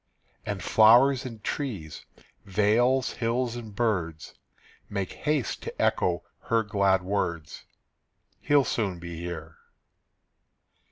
And flowers and trees, vales, hills, and birds Make haste to echo her glad words, "He'll soon be here."